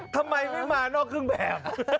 ทำไมไม่มานอกครึ่งแผม